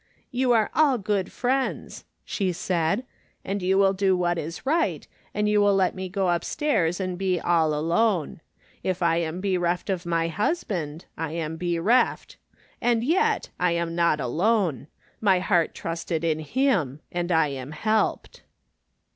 " You are all good friends," she said, " and you will do what is right, and you will let me go upstairs and be all alone. If I am bereft of my Inisband, I am bereft. And yet I am not alone. ]\Iy heart trusted in Him, and I am helped."